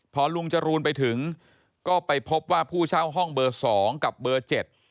พอลุงจรูนไปถึงก็ไปพบว่าผู้เช่าห้องเบอร์สองกับเบอร์เจ็ด